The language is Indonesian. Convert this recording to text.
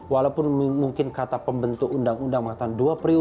walaupun mungkin kata pembentuk undang undang maksudnya dua persoalan